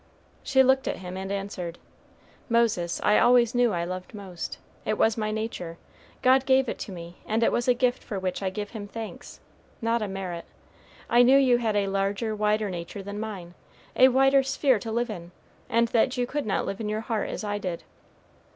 She looked at him and answered, "Moses, I always knew I loved most. It was my nature; God gave it to me, and it was a gift for which I give him thanks not a merit. I knew you had a larger, wider nature than mine, a wider sphere to live in, and that you could not live in your heart as I did.